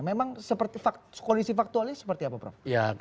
memang kondisi faktualnya seperti apa prof